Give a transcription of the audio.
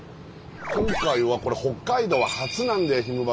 今回はこれ北海道は初なんだよ「ひむバス！」は。